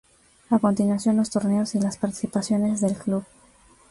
A continuación los torneos y las participaciones del club.